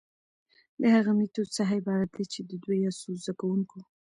د هغه ميتود څخه عبارت دي چي د دوو يا څو زده کوونکو،